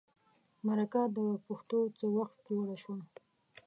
مرکه د پښتو څه وخت جوړه شوه.